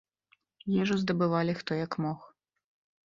Ежу здабывалі хто як мог.